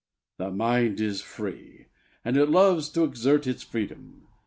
The mind is free, and it loves to exert its freedom.